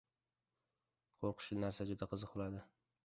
• Qo‘rqinchli narsa qiziq bo‘ladi.